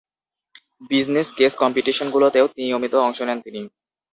Business case কম্পিটিশনগুলোতেও নিয়মিত অংশ নেন তিনি।